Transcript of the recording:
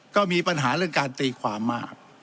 ก็มีปัญหาเรื่องการตีความมาก